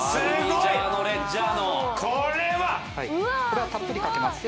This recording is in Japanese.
これはたっぷりかけます。